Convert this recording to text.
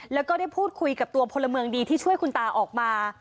แล้วก็ได้พูดคุยกับตัวพลเมืองดีที่ช่วยคุณตาออกมา